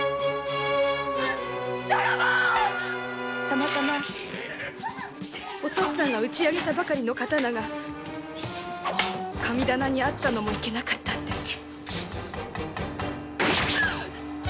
たまたまお父っつぁんが打ち上げたばかりの刀が神棚にあったのもいけなかったんです。